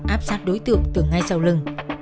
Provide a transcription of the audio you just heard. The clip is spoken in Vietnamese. áp sát đối tượng từ ngay sau lưng